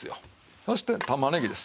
そして玉ねぎです。